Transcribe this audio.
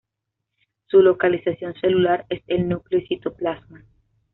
Su localización celular es el núcleo y citoplasma.